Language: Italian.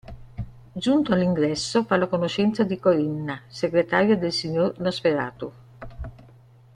Giunto all'ingresso, fa la conoscenza di Corinna, segretaria del signor Nosferatu.